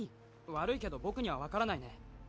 悪いけど僕には分からないね